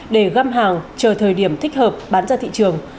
để găm hàng chờ thời điểm thích hợp bán ra thị trường